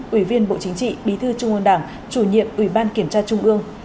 ủy viên bộ chính trị bí thư trung ương đảng chủ nhiệm ủy ban kiểm tra trung ương